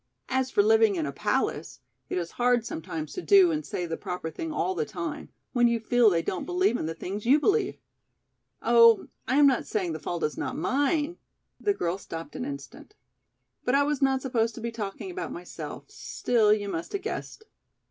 As for living in a palace, it is hard sometimes to do and say the proper thing all the time, when you feel they don't believe in the things you believe. Oh, I am not saying the fault is not mine—" The girl stopped an instant. "But I was not supposed to be talking about myself, still you must have guessed."